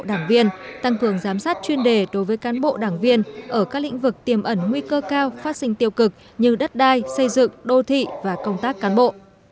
đảng viên tăng cường giám sát chuyên đề đối với cán bộ đảng viên ở các lĩnh vực tiềm ẩn nguy cơ cao phát sinh tiêu cực như đất đai xây dựng đô thị và công tác cán bộ